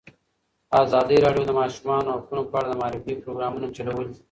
ازادي راډیو د د ماشومانو حقونه په اړه د معارفې پروګرامونه چلولي.